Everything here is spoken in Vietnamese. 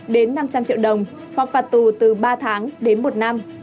đến năm trăm linh triệu đồng hoặc phạt tù từ ba tháng đến một năm